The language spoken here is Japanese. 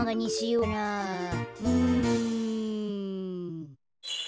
うん。